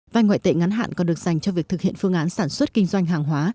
vay ngoại tệ ngắn hạn còn được dành cho việc thực hiện phương án sản xuất kinh doanh hàng hóa